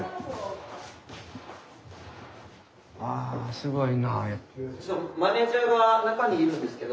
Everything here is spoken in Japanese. あすごいなあ。